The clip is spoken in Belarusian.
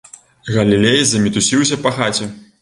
Галілей замітусіўся па хаце.